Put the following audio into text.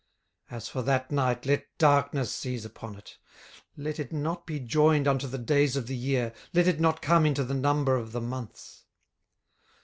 18:003:006 As for that night, let darkness seize upon it; let it not be joined unto the days of the year, let it not come into the number of the months.